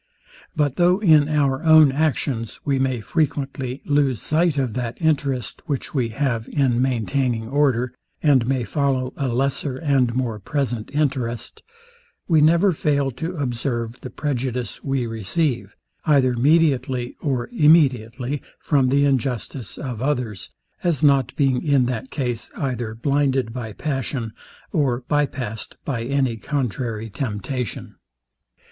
But though in our own actions we may frequently lose sight of that interest, which we have in maintaining order, and may follow a lesser and more present interest, we never fail to observe the prejudice we receive, either mediately or immediately, from the injustice of others; as not being in that case either blinded by passion, or byassed by any contrary temptation.